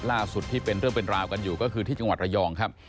ล่าสุดที่เป็นเรื่องเป็นราวกันอยู่ก็คือที่จังหวัดระยองครับ